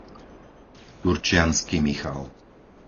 Turčiansky Michal